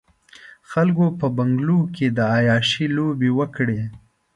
خلکو په بنګلو کې د عياشۍ لوبې وکړې.